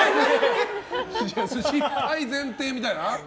失敗前提みたいな？